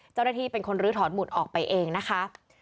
เจ้าหน้าที่เป็นคนลื้อถอนหมุดออกไปเองนะคะ